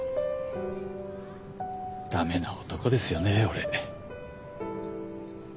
駄目な男ですよね俺